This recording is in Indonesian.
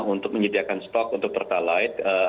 untuk menyediakan stok untuk pertalite